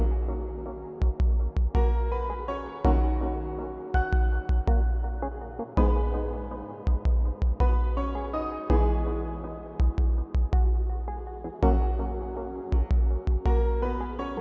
sumpah gue gak mau berubah